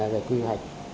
về quy hoạch